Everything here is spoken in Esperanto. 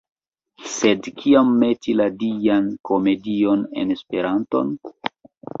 Sed kial meti la Dian Komedion en esperanton?